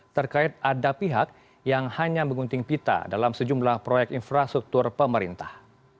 terkait ada pihak yang hanya mengunting pita dalam sejumlah proyek infrastruktur pemerintah